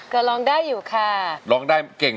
ก็ร้องได้อยู่ค่ะ